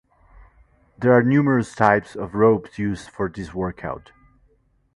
There are numerous types of ropes used for this workout.